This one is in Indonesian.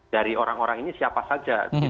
dari orang orang ini siapa saja